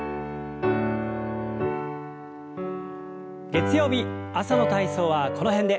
月曜日朝の体操はこの辺で。